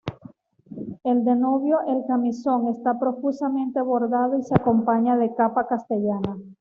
El de novio el camisón esta profusamente bordado y se acompaña de capa castellana.